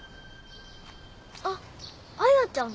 あっ彩ちゃん。